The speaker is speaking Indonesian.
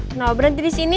kenapa berhenti di sini